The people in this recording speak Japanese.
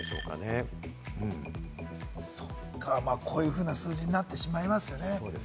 こういうふうな数字になってしまいますよね。